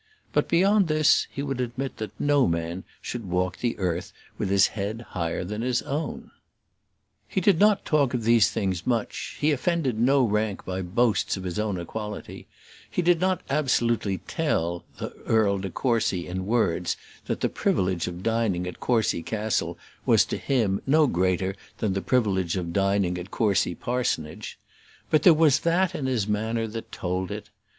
But beyond this he would admit that no man should walk the earth with his head higher than his own. He did not talk of these things much; he offended no rank by boasts of his own equality; he did not absolutely tell the Earl de Courcy in words, that the privilege of dining at Courcy Castle was to him no greater than the privilege of dining at Courcy Parsonage; but there was that in his manner that told it.